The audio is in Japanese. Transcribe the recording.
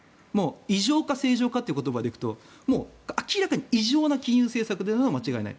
異常か正常かという言葉でいうともう明らかに異常な金融政策であるのは間違いない。